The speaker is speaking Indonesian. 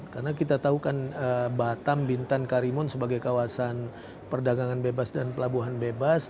karena kita tahu kan batam bintan karimun sebagai kawasan perdagangan bebas dan pelabuhan bebas